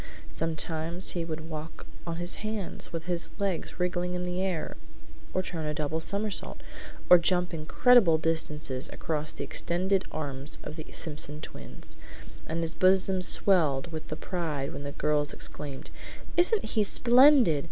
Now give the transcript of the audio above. Sometimes he would walk on his hands, with his legs wriggling in the air, or turn a double somersault, or jump incredible distances across the extended arms of the Simpson twins; and his bosom swelled with pride when the girls exclaimed, "Isn't he splendid!"